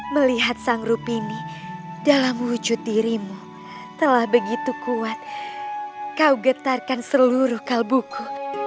melihat sang rupini dalam wujud dirimu telah begitu kuat kau getarkan seluruh kalbuku